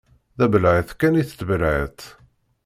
D abelεeṭ kan i tettbelεiṭ.